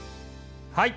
はい！